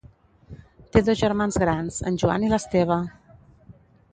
Té dos germans grans, en Joan i l'Esteve.